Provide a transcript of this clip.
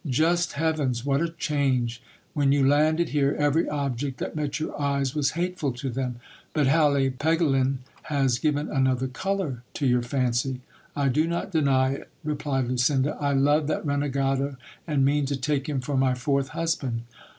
Just heavens ! what a change ! When you landed here, every object that met your eyes was hateful to them, but Hali Pegelin has given another colour to your fancy. I do not deny it, replied Lucinda : I love that renegado, and mean to take him for my fourth husband.